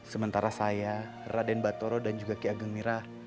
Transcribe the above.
sementara saya raden batoro dan juga ki ageng mira